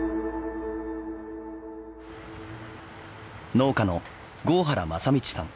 農家の郷原雅道さん。